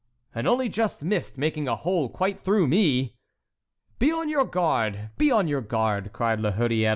"And only just missed making a hole quite through me." "Be on your guard!—be on your guard!" cried La Hurière.